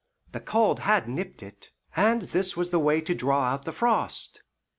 The cold had nipped it, and this was the way to draw out the frost.